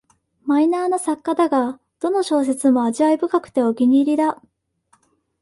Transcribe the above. マイナーな作家だが、どの小説も味わい深くてお気に入りだ